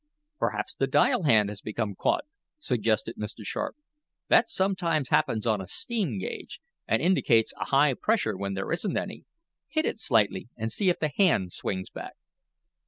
"Perhaps the dial hand has become caught," suggested Mr. Sharp. "That sometimes happens on a steam gauge, and indicates a high pressure when there isn't any. Hit it slightly, and see if the hand swings back."